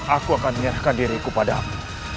aku akan menyerahkan diriku padamu